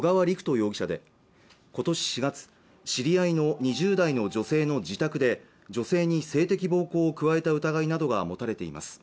容疑者で今年４月知り合いの２０代の女性の自宅で女性に性的暴行を加えた疑いなどが持たれています